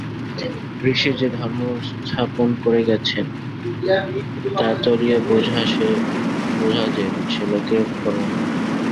ঋষিরা যে ধর্ম স্থাপন করে গেছেন তা তলিয়ে বোঝা যে-সে লোকের কর্ম নয়।